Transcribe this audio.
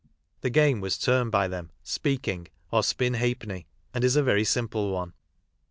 The game was termed by thorn "speak ing," or " spin halfpenny," and is a very simple one.